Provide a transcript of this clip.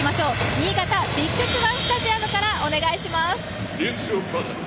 新潟ビッグスワンスタジアムからお願いします。